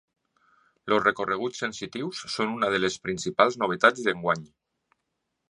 Els recorreguts sensitius són una de les principals novetats d’enguany.